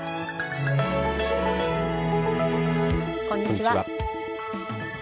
こんにちは。